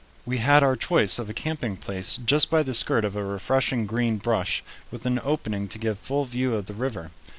We had our choice of a camping place just by the skirt of a refreshing green brush with an opening to give full view of the river.